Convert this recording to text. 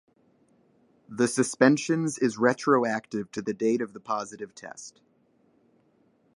The suspensions is retroactive to the date of the positive test.